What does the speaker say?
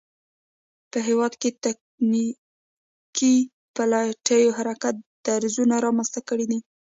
په هېواد کې تکتونیکی پلیټو حرکت درزونه رامنځته کړي دي